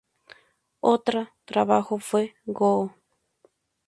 Otra trabajo fue "Go!